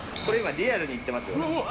リアルに言ってます。